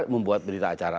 membuat berita acara